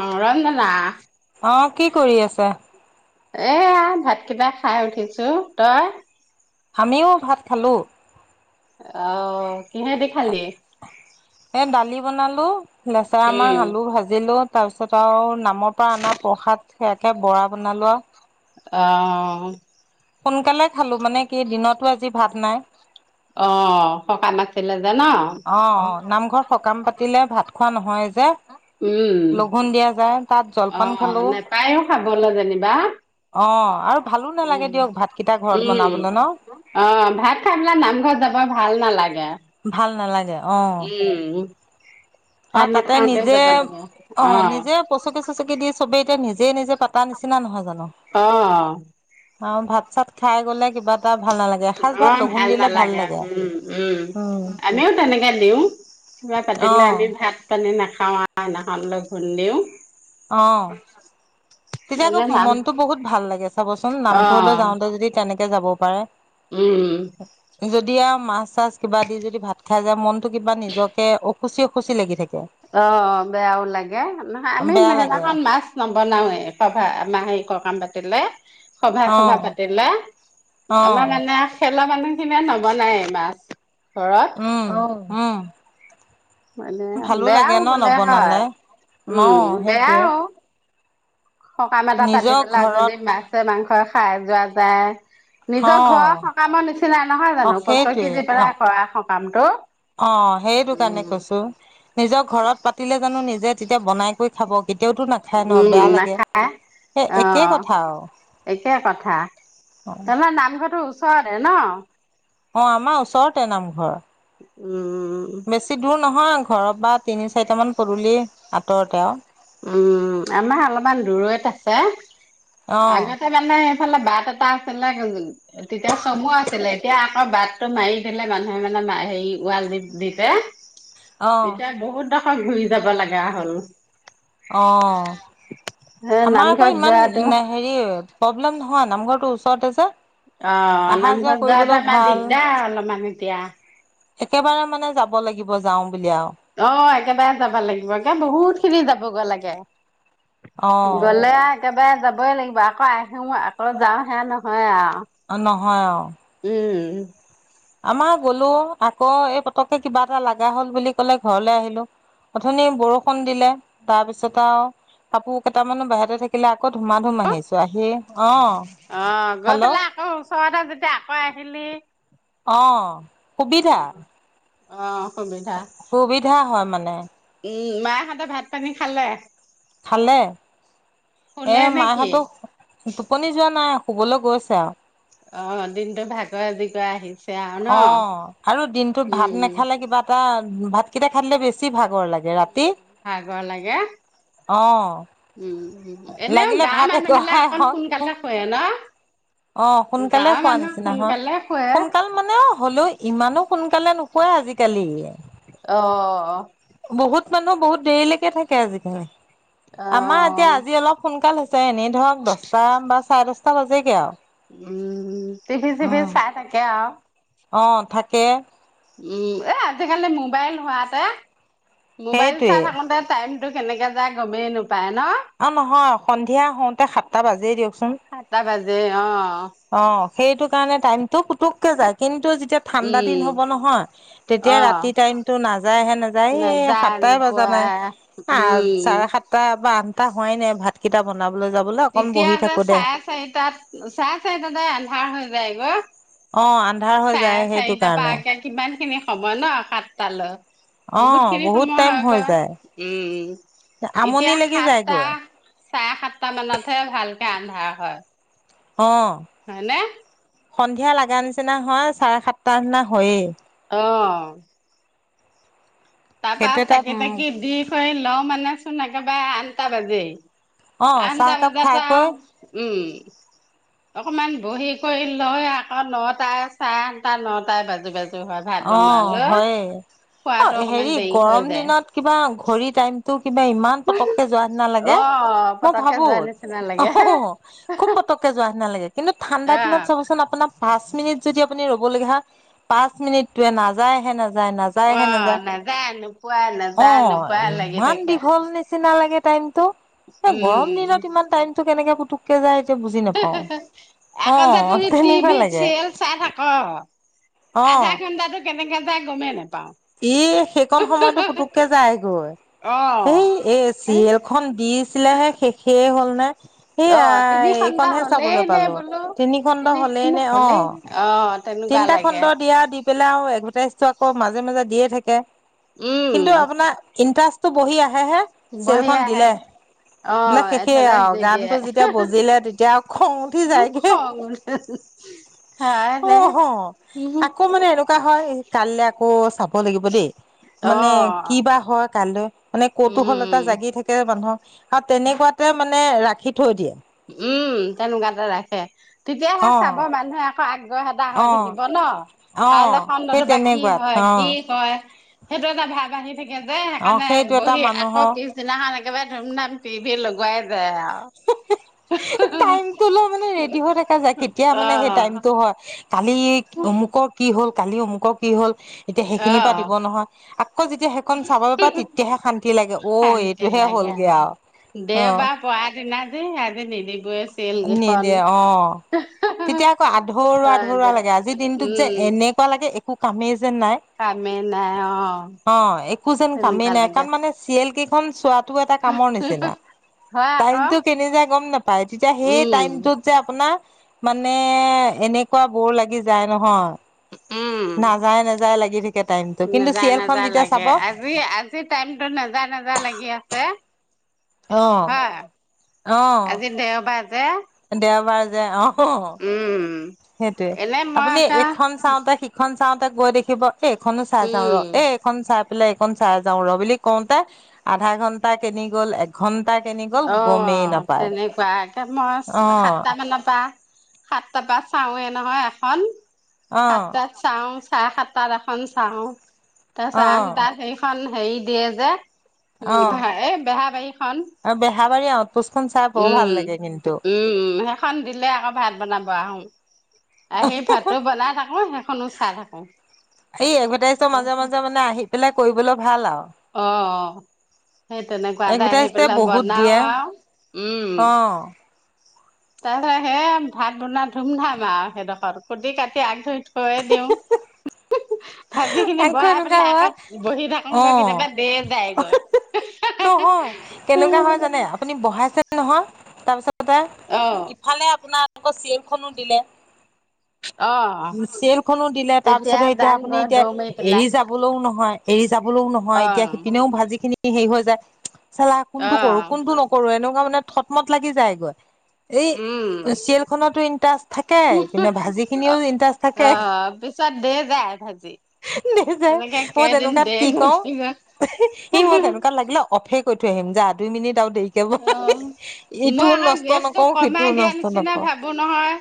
অ ৰঞ্জনা আহ, কি কৰি আছা? এয়া ভাত কিবা খাই উঠিছোঁ। তই? আমিও ভাত খালোঁ অ কিহেদি খালি এ দালি বনালো লেচৰা মাহ আলু ভাজিলো তাৰ পিছত আৰু নামৰ পৰা অনা প্ৰসাদ সেয়াকে বৰা বনালোৱা আৰু অ'। সোনকালে খালো মানে কি দিনতো আজি ভাত নাই অ সকাম আছিলে যে ন উম লঘোণ দিয়া যায় তাত অ জলপান খালো নেপায়ো খাবলৈ যেনিবা অ', আৰু ভালো নালাগে উম', দিয়ক ভাতকেইটা ঘৰত উম', বনাবলৈ ন? অ', ভাত খাই পেলাই নামঘৰত যাব ভাল নালাগে। ভাল নালাগে উম'। ভাত অ', তাতে নাখাওঁতে নিজে যাব লাগে অ', নিজে পচকি চচকি দিয়ে, চবেই এতিয়া নিজে নিজে পাতা নিচিনা নহয় জানোঁ। অ অ ভাত চাত খাই গ'লে কিবা এটা ভাল নালাগে এসাঁজ ভাত অ', লঘোণ ভাল দিলে নালাগে লাগে। উম, উম, আমিও তেনেকে দিওঁ কিবা পাতিলে অঁ আমি ভাত পানী নাখাও দিনাখন লঘুন দিওঁ। অহ। তেতিয়া আকৌ এনে নাম মনতটো বহুত ভাল লাগে চাবচোন অ নামঘৰলৈ যাওঁতে যদি তেনেকে কে যাব পাৰে। উম। তেতিয়া যদি আৰু মাছ চাছ কিবা দি যদি ভাত খাই যায় মনতো কিবা নিজকে অসুচি অসুচি লাগি থাকে। অ', বেয়াও লাগে আমি বেয়া সেইদিনা লাগে খন মাছ নবনাওৱে। সভা মাহেৰিকা সকাম পাতিলে সভা অঁ চভা পাতিলে অঁ আমাৰ মানে চলা মানুহ খিনি নবনায় মাছ। ঘৰত উম অ'। উম মানে ভালো লাগে বেয়াও ন বোলে হয় নবনালে উম অঁ সেইটোৱে বেয়াও। সকাম এটা পাতি নিজৰ পেলাই যদি ঘৰত মাছে মাংস। খাই যোৱা যায়। নিজৰ অঁ ঘৰৰ সকামৰ নিচিনাই নহয় অঁ জানো সেইটোৱে পছৰকি যি অঁ পেলাই কৰা। পামটো। অ সেইটো কাৰণে কৈছো নিজৰ ঘৰত পাতিলে জানো নিজ। যে তেতিয়া বনাই কৰি খাব। কেতিয়াওতো নাখায় ন উম বেয়া লাগে নাখায় সেই অ একেই কথা আৰু একে কথা তেনেহলে নামঘৰটো। ছৰে ন। অ আমাৰ ওচৰতে নামঘৰ। উম। বেছি দূৰ নহয়। ঘৰৰ বা তিনি চাৰিটামান পদূলি আঁতৰতে। উম আমাৰ অলপমান দূৰৈত আছে। অ আগতে মানে। এইফালে বাট এটা আছিলে। তেতিয়া চমু আছিলে এতিয়া আকৌ বাটটো মাৰি দিলে মানুহে মানে হেৰি ওৱাল দি দিলে অ এতিয়া বহুত। ডখৰ ঘূৰি যাব লগা হ'ল। অ এ আমাৰ নামঘৰত আকৌ ইমান যোৱাটো হেৰি প্ৰব্লেমহ। অ নামঘৰ তৰ ওচৰৰতে যে-। অ অহা নামঘৰ যোৱা কৰিবলৈও পৰা ইমান ভাল দিগদাৰ অলপমান এতিয়া। একেবাৰে মানে যাব লাগিব যাও বুলি আও অ একেবাৰে যাব লাগিবে বহুত খিনি যাবগে লাগে। গলে আও। কবাৰে যাবই লাগিব আকৌ আহোঁ আকৌ যাওঁ সেয়া নহয় আও নহয় অ। উম। আমাৰ গ'লো আকৌ এই পতকে কিবা এটা লগা হল বুলি ক'লে ঘৰলৈ আহিলো অথনি বৰষুণ দিলে তাৰ পিছত আৰু কাপোৰ কেইটামানো বাহিৰতে থাকিলে আ। অ অ গৈ হেল্ল' পেলাই আকৌ ওচৰতে যেতিয়া আকৌ আহিলি। অ'হ। সুবিধা। অহ। সুবিধা হয় মানে। উম মায়েহঁতে ভাত পানী খালে। খালে। এ শুলে নে কি? মাহঁতো টোপনি যোৱা নাই শুবলৈ গৈছে আৰু অ দিনতো ভাগৰে আজিকৰে কৰা আহি অ আৰু দিনটোত ভাত উম। নেখালে কিবা এটা উ ভাতকেইটা খাই দিলে বেছি ভাগৰ লাগে ৰাতি ভাগৰ লাগে অ উম এনেও লাগিলে গাৱৰ ভাত মানুহ বিলাক এগঢ়াই অকন হওক সোনকালে শুৱে অ ন সোনকালে গাঁৱৰ খোৱা মানুহ নিচিনা হয় সোনকালে শুৱে সোনকাল মানে হলেও ইমানো সোনকালে নোশুৱে আজিকালি অ কিছুমান মানুহ বহুত দেৰিলৈকে আজিকালি আমাৰ এতিয়া অ', আজি অলপ সোনকাল হৈছে এনেই ধৰক দশটা বা চাৰে দশটা টা বাজেগে আও উম টিভি চিভি চাই থাকে আৰু অ থাকে উম এ আজিকালি মোবাইল হোৱাতে মোবাইল সেইটোৱে চাৰ থাকোতে টাইম। তো কেনেকে যায় গমেই নো অ, নহয় সন্ধিয়া হওঁতে সাতটা বাজেই দিয়কচোন। দেই অঅ অ, সেইটো কাৰণে টাইমটো পুতুক কে যায়, কিন্তু? তেতিয়া ঠাণ্ডা দিন উম, হ'ব নহয় তেতিয়া ৰাতি অ', টাইমতটো নাযায়হে, নাযায়। এই সাতটাই বজা নাই আ, চাৰে উম, সাতটা বা আঠ টা, হোৱাই নাই ভাতকেইটা বনাব। তেতিয়া যে চাৰে চাৰিটাত চাৰে চাৰিটা। তেতিয়া যে আন্ধাৰ হৈ যায় গ। অ, আন্ধাৰ হৈ যায, সেইটো কাৰণে? হ'ব ন সাতটালৈ। বহুত অ', খিনি সময় টাইম হয় হৈ গৈ যায় উম, আমনি এতিয়া লাগি সাতটা যায়গৈ চাৰে সাত মানতহে ভালকে আন্ধাৰ হয়। অ। হয়নে। সন্ধিয়া লগা নিচিনা হয় চাৰে সাতটা নিচিনা হয়য়েই। অ। তাৰপা সেইটো এটা চাকি উম, তাকি দি কৰি লওঁ মানে। চোন একেবাৰে আঠটা বাজেই। অ', আঠতা চাহকাপ বজাৰ পা, খাইকৈ উম। অকমান বহী কৰি লৈ আকৌ নটাই চাৰে আটা নটাই বাজি, বাজি। হয়, ভাত বনোৱ অ', ল, হয়েই অ', খোৱাতো। হেৰি গৰম দিনত কিবা ঘড়ী টাইমতটো। কিবা ইমান পতককে যোৱাৰ নিচিনা লাগে অ মই পতককে ভাবো যোৱা নিচিনা অ, লাগে খুব পতককে যোৱা নিচিনা লাগে। কিন্তু ঠাণ্ডা দিনত আহ চাবচোন আপোনাৰ পাঁচ মিনিট যদি ৰখি [unintelligible] পাঁচ, মিনিট। তোৱে নাযায় হে না। নাযায়হে, আহ নাযায় নোপোৱা অ, নাযায় নোপোৱা লাগি ইমান থাকে দীঘল নিচিনা লাগে টাইমতটো গৰম দিনত ইমান টাইমটো কেনেকে? পুতুককে যায় এতিয়া বুজি নাপাও। [unintelligible] এখন যে অ', তই তেনেকুৱা টভিত লাগে চিৰিয়েল চাই থাক। আধা অ'। ঘণ্টা টো, কেনেকে যাই। গমে, নাই। ই, সেইকন সময়তো পুতুককে যায়গৈ অ এই এ চিৰিয়েলখনন দিছিলেহে শেষেই হ'ল নে, স অ তিনি ঘন্টা এইখনহে হলেই চাবলৈ নে পালো। বোলো তিনি খণ্ড হ'লেই ঘন্টা নে? হলেই অ', অ তেনেকুৱা তিনিটা লাগে খণ্ড দিয়া দি পেলাই আৰু এক ঘন [unintelligible] আকৌ মাজে, মাজে দিয়ে থাকে। উম কিন্তু আপোনাৰ ইটাৰষ্ট তো বহি আহ হে হে, চিলখন বঢ়িয়াহে দিলে। অ বোলে শেষেই এডভাৰটাইজ আৰু দি গান টো দিয়ে যেতিয়া বজিলে তেতিয়া আৰু খং উঠি যায়গে খং উঠে হয় দে অহ, আকৌ মানে এনেকুৱা হয় কাইলে আকৌ চাব হ'ব লাগিব দেই। অ মানে কি বা হয় কাইলে মানে কৌতুহল এটা উম জাগি থাকে মানুহক আৰু তেনেকুৱাতে মানে মানে ৰাখি থৈ দিয়ে উম, তেনেকুৱাতে ৰাখে। তেতিয়াহে অ চাব মানুহে আকৌ আগ্ৰহ এটা অ হৈ থাকিব ন? অ কাইলৈ সেই খণ্ডটো বা কি তেনেকুৱাত হয়? অ কি কয়? সেইটো এটা ভাৱ আহিব ঠিকে যে, অ সেইকাৰণে সেইটো এটা বহি আকৌ মানুহৰ পিছদিনাখন একেবাৰে ধুমধাম টিভি লগোৱাই বেয়া টাইমটো লৈ মানে ৰেডি হৈ থকা যায়, কেতিয়া মানে সেই টাইমতটো অ হয়। কালি অমুকৰ কি হ'ল? কালি অমুকৰ কি হ'ল? এতিয়া অ সেইখিনিৰ পৰা দিব নহয়, আকৌ যেতিয়া সেইকণ চাবলৈ পা তেতিয়াহে শান্তি লাগে। অ', শান্তি এইটোহে লাগে হ'লগে আৰু আও অহ। দেওবাৰ পৰা দিনা যে আজি নিদিবই চিৰিয়েল কেইখন নিদিয়ে অ', তেতিয়া আকৌ আধৰুৱা, হয় দে আধৰুৱা লাগে আজিৰ দিনটোত যে, উম এনেকুৱা লাগে একো কামেই একো যেন নাই। কামেই নাই অ অ', একো যেন কামেই তেনেকুৱা নাই। লাগে কাম মানে চিৰিয়েল কেইখন চোৱাটো এটা কামৰ নিচিনা। হয় আকৌ টাইমটো কেনি যায় গম নাপায়। তেতিয়া সেই উম টাইমটোত যে, আপুনি মানে এনেকুৱা বৌৰ লাগি যায়, নহয়। উম। নাযায় নাযায় লাগি থাকে টাইমটো কিন্তু নেযায়, চিৰিয়েলখন নেযায় যেতিয়া লাগে চাব আজি, আজি টাইমতটো নেযায়, নেযায় লাগি আছে। অহ হা অহ আজি দেওবাৰ [unintelligible] দেওবাৰ যে, অ অ। উম সেইটোয়ে এনে মই আপুনি একা এইখন চাওঁতে সিখন চাওঁতে চাওঁতে গৈ দেখিব এ- এইখনো চাই যাওঁ উম ৰ এ- এইখন চাই- পলে এইন চাই যাও ৰ বুলি কওঁতে আধা ঘন্টা কিনি গ'ল এক ঘণ্টা অ তেনেকুৱা একে মই অহ সাতটা মানৰ পৰা- সাতটা পৰা চাওঁৱে নহয় এখন অহ সাতটাত চাওঁ চাৰে- সাতটাতএখন চাওঁ। তাৰপিছত অহ আঠতাত সেইখন হেৰি দিয়ে যে, অহ উম- এ- বেহাৰবাৰী খন। আৰু বেহাবাৰী আউটপোষ্টখন চাই বৰ ভাল লাগে কিন্তু উম-উম- সেইখন দিলে আকৌ ভাত বনাব তাৰপৰা আহ [unintelligible] চাই থাকো এই এডভাৰটাইজৰ মাজে মাজে মানে আহি পেলাই কৰিবলৈ- ভাল আৰু অ- সেই তেনেকুৱাতোই আহি এডভাৰটাইজে পেলাই বহুত বনাও দিয়ে আৰু। উম- অহ তাৰপিছত সেই ভাত বনাই ধুমধাম আৰু সেইডোখৰ কুটি কাটি আগ ধৰি- থইয়ে দিওঁ উ [inaudible] ভাজি খিনি আকৌ বহাই এনেকুৱা পেলাই হয় আগত বহি থাকো অ- নহয় কেনেকুৱা হয় জানে আপুনি বহাইছে নহয়- তাৰপিছত অ - ইফালে আপোনাৰ- তেওঁলোকৰ চিৰিয়েলখনো দিলে। অ চিৰিয়েলখনো দিলে তাৰ তেতিয়া পিছতে এতিয়া যাংগৈ আপুনি- দৌৰ মাৰি এৰি পেলাই যাবলৈও নহয়, এৰি যাবলৈও নহয় অ এতিয়া সিপিনেও ভাজি- খিনি হেৰি হৈ যায়, চেলা অ কোনটো কৰো কোনটো নকৰো এনেকুৱা - মই মানে থতমত লাগি যায়গৈ। এই উম চিয়েলখনতো ইণ্টাষ্ট থাকে, ইপিনে ভাজি অ খিনিও ইণ্টাষ্ট অ থাকে। পিছত দে যায় ভাজি দেই যায়। তেনেকে মই কেইদিন তেনেকুৱাত দে কি কৰো গৈ ই-মই গৈ তেনেকুৱাত লাগিলে অফেই কৰি থৈ আহিম। যা- দুই মিনিট- আৰু দেৰিকে ব অ- মই ইটোও আকৌ নষ্ট গেছটো নকৰো কমাই সিটোও দিয়া নষ্ট নিচিনা নকৰো ভাবো নহয়,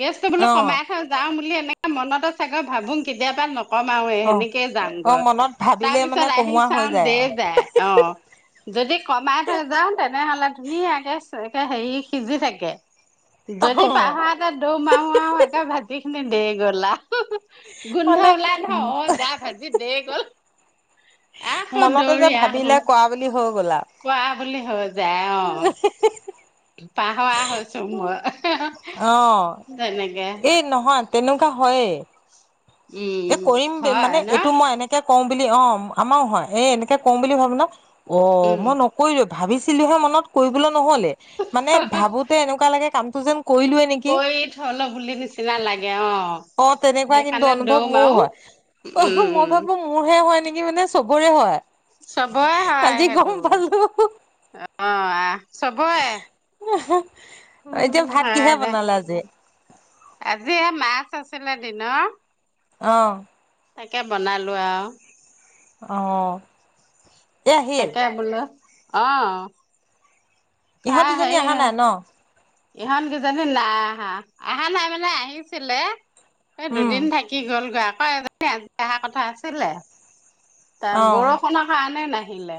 গেছটো বোলো অ কমাই থৈ যাওঁ বুলি তেনেকা মনতো চাগে ভাবোং কেতিয়াবা নকৰো। নকমাওৱে অ সেনেকেই যাং অ গৈ। মনত তাৰ ভাবিলে মানে পিছত আহি কমোৱা হৈ চাম দেই যায়। অ-যদি কমাই থৈ যাওঁ - তেনেহলে ধুনীয়াকে হেৰি সিজি থাকে আৰু যদি অ পাহাৰটা দৌ মাৰো আও একে ভাজি নি দেই গল আ গোন্ধ মানে ওলাই ন অ যা ভজি দে গ'ল আকৌ মনতে যে দৌৰি আহো ভাবিলে কোৱা বুলি হৈ গ'ল আও কোৱা বুলি হৈ যায় অ পাহৰা হৈছো অ মই তেনেকে এই এ উম কৰিম হয় মানে ন এইটো মই এনেকে কওঁ বুলি অ আমাৰো হয় এই এনেকে কম বুলি ভাবো ন অ উম মই নকৰিওৱে ভাবিছিলোহে মই কৰিবলৈ নহলে মানে ভাবোতে এনেকুৱা লাগে কাম তুজন কৈ থলো বুলি নিচিনা লাগে অ অ তেনেকুৱা কিন্তু সেইকাৰণে দৌ অনুভৱ মোৰো মাও হয় উম কি মানে চবৰে হয় চবৰে হয় আজি গম পালো আ আহ চবয়ে উহো উম হয় দে আজি এ মাছ আছে হৈছে নে দিনৰ অহ তাকে বনালো আৰু অ এ আহিল তাকে বোলো অহ তা ইহঁত দুজনী সেই অহা নাই ন ইহত গেজনী নাই আহা আহা নাই মানে আহিছিলে এ উম দুদিন থাকি গ'লগৈ আও অহ এজনী অহা কথা আছিলে ত অ বৰষুণৰ কাৰণে নাই আহিলে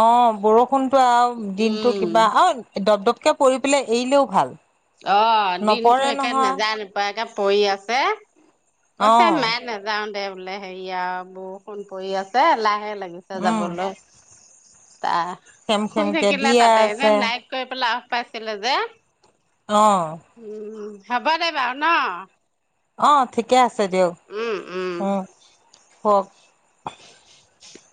অ বৰষু ন তো আও দিনটো উম কিবা অ দপ দপ কে পৰি পেলাই এৰিলেও ভাল অ দিনতো নপৰে একে নহয় নেজায় নোপোৱায়কে পৰি আছে অ কৈছে মায়ে নাযাও দে বোলে হেৰি আও বৰষুণ পৰি আছে লাহে লাহ লাগিছে উম যাবলৈ তা খেম শুই খেমকে থাকিলে দিয়ে তাতে এনে আছে নাই কৰি পেলাও পাইছিলে যে অ উম হ'ব দে বাও ন অ ঠিকে আছে ছে দেও উম হক [unintelligible]